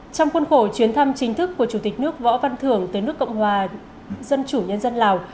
trong khuôn khổ chuyến thăm chính thức của chủ tịch nước võ văn thưởng tới nước cộng hòa dân chủ nhân dân lào